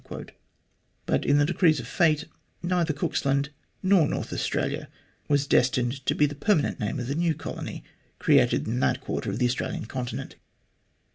But in the decrees of fate, neither Cooksland nor North Australia was destined to be the permanent name of the new colony created in that quarter of the Australian continent.